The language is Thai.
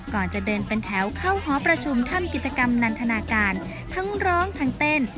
ก่อนจะเดินเป็นแถวเข้าหอประชุมทำกิจกรรมนันทนาการทั้งร้องทั้งเต้น